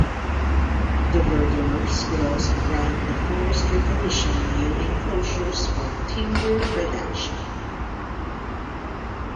The Verderers could also grant the Forestry Commission new inclosures for timber production.